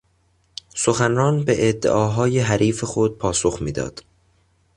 سخنران به ادعاهای حریف خود پاسخ داد.